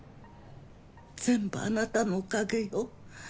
全部あなたのおかげよ。